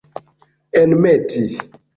enmeti